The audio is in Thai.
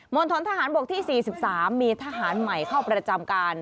ณฑนทหารบกที่๔๓มีทหารใหม่เข้าประจำการ